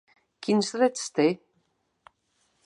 Quins drets té?